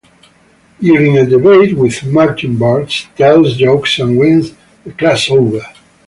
During a debate with Martin, Bart tells jokes and wins the class over.